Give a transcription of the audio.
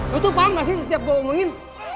lo tuh paham gak sih setiap gue ngomongin